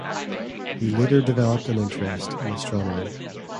He later developed an interest in astronomy.